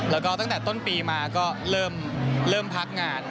แล้วก็ตั้งแต่ต้นปีมาก็เริ่มพักงาน